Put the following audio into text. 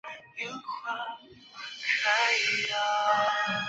月球地质与地球地质学差别明显。